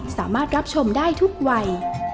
สามารถรับชมได้ทุกวัย